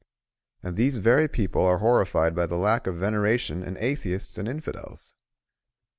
And these very people are horrified by the lack of veneration in Atheists and infidels!